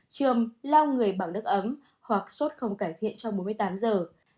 trường lao người bằng nước ấm hoặc sốt không cải thiện trong bốn mươi tám giờ